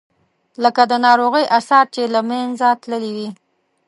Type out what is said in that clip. لکه د ناروغۍ آثار چې له منځه تللي وي.